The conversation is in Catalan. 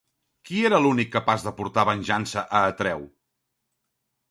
Qui era l'únic capaç de portar venjança a Atreu?